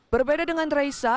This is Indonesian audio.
berbeda dengan reza